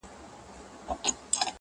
د قاتل لوري ته دوې سترگي نیولي.!